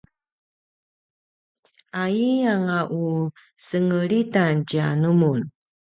aiyanga u sengelitan tjanumun